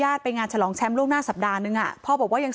แต่มันถือปืนมันไม่รู้นะแต่ตอนหลังมันจะยิงอะไรหรือเปล่าเราก็ไม่รู้นะ